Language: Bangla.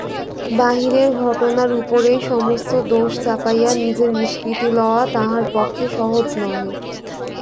বাহিরের ঘটনার উপরেই সমস্ত দোষ চাপাইয়া নিজে নিষ্কৃতি লওয়া তাহার পক্ষে সহজ নহে।